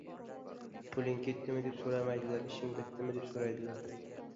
• Puling ketdimi deb so‘ramaydilar, ishing bitdimi deb so‘raydilar.